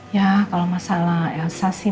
ya kalau masalah elsa sih